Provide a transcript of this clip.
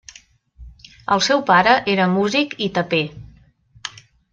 El seu pare era músic i taper.